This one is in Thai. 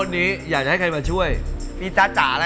เรียนวิชาประวัติศาสตร์